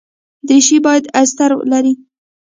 دریشي باید استر لري.